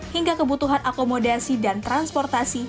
hingga kebutuhan akomodasi dan transportasi